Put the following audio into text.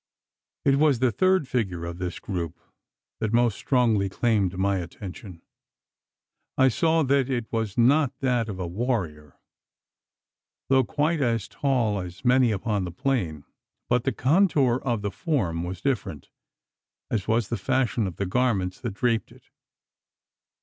It was the third figure of this group that most strongly claimed my attention. I saw that it was not that of a warrior; though quite as tall as many upon the plain. But the contour of the form was different as also the fashion of the garments that draped it.